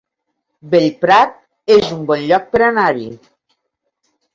Bellprat es un bon lloc per anar-hi